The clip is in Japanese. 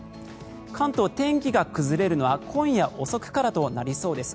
関東、天気が崩れるのは今夜遅くからとなりそうです。